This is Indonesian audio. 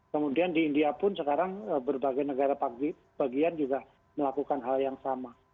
kemudian di india pun sekarang berbagai negara bagian juga melakukan hal yang sama